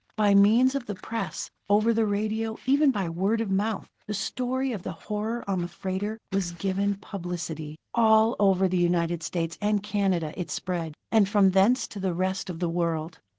By means of the press, over the radio, even by word of mouth, the story of the horror on the freighter was given publicity. All over the United States and Canada it spread, and from thence to the rest of the world.